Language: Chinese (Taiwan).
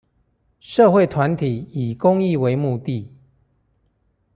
社會團體以公益為目的